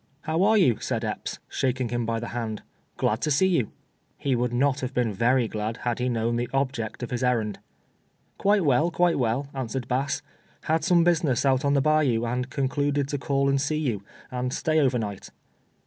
"How are yc>u," said Epps, shaking him by the hand, " glad to see you." He would not have been Tcry glad had he known the object of his errand. "Quite well, quite well," answered Bass. "Had some business out on the bayou, and concluded to call and see you, and stay over night."